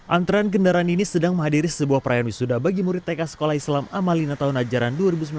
antrean kendaraan ini sedang menghadiri sebuah perayaan wisuda bagi murid tk sekolah islam amalina tahun ajaran dua ribu sembilan belas